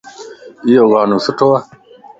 ايو ڳانو سٺو ائي.